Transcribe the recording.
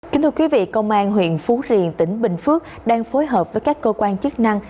kính thưa quý vị công an huyện phú riềng tỉnh bình phước đang phối hợp với các cơ quan chức năng